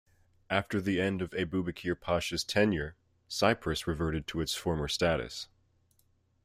After the end of Ebubekir Pasha's tenure, Cyprus reverted to its former status.